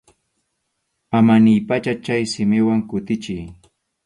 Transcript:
Ama niypacha chay simiwan kutichiy.